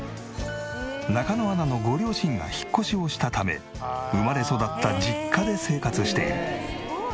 中野アナのご両親が引っ越しをしたため生まれ育った実家で生活している。